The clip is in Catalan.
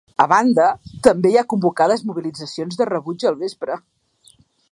A banda, també hi ha convocades mobilitzacions de rebuig al vespre.